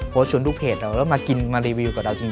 โพสต์ชวนทุกเพจเราแล้วมากินมารีวิวกับเราจริง